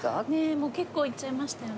もう結構いっちゃいましたよね。